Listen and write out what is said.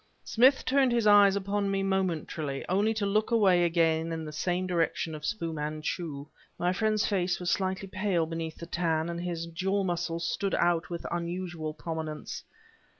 Smith turned his eyes upon me momentarily, only to look away again in the direction of Fu Manchu. My friend's face was slightly pale beneath the tan, and his jaw muscles stood out with unusual prominence.